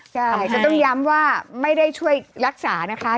ใช่จะต้องย้ำว่าไม่ได้ช่วยรักษานะคะ